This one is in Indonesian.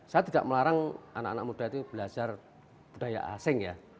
saya tidak melarang anak anak muda itu belajar budaya asing ya